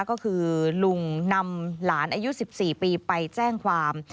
ก็คือลุงนำหลานอายุ๑๔ปีไปแจ้งความ